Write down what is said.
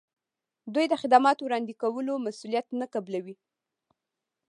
دوی د خدماتو وړاندې کولو مسولیت نه قبلوي.